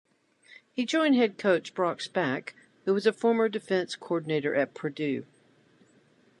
He joined head coach Brock Spack, who was a former defensive coordinator at Purdue.